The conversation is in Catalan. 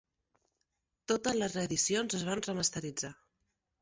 Totes les reedicions es van remasteritzar.